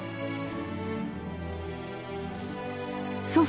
祖父